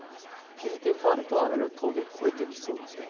日付が変わると雨の峠、越えてきそうです。